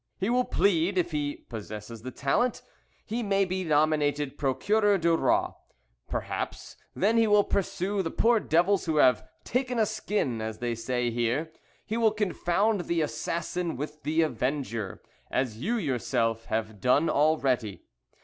He will plead if he possess the talent he may be nominated procureur du roi perhaps; then he will pursue the poor devils who have 'taken a skin,' as they say here. He will confound the assassin with the avenger as you yourself have done already.